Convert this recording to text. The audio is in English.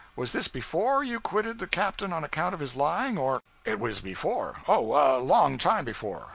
Was this _before _you quitted the captain on account of his lying, or ' 'It was before oh, a long time before.